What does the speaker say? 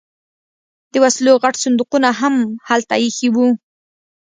د وسلو غټ صندوقونه هم هلته ایښي وو